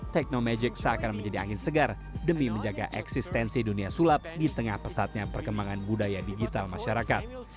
teknologic seakan menjadi angin segar demi menjaga eksistensi dunia sulap di tengah pesatnya perkembangan budaya digital masyarakat